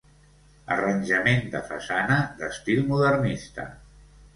Arranjament de façana d'estil modernista.